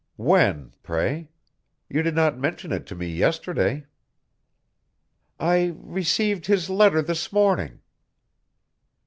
"When, pray? You did not mention it to me yesterday." "I received his letter this morning."